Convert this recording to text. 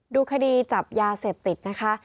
ดูคดีจับยาเสพติดนะคะ